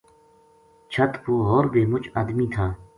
چھَت پو ہور بھی مُچ ادمی تھا